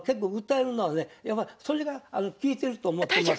やっぱりそれが効いてると思ってます。